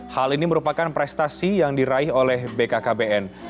hal ini merupakan prestasi yang diraih oleh bkkbn